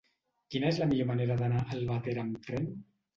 Quina és la millor manera d'anar a Albatera amb tren?